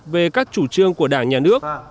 về các chủ trương của đảng nhà nước